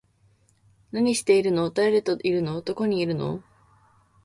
何してるの？誰といるの？どこにいるの？